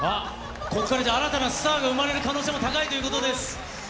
ここから新たなスターが生まれる可能性が高いということです。